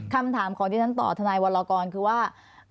คำถามของที่ฉันต่อทนายวรกรคือว่า